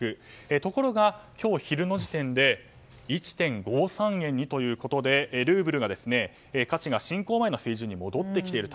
ところが今日昼の時点で１．５３円ということでルーブルの価値が侵攻前の水準に戻ってきている。